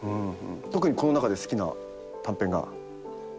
特にこの中で好きな短編が？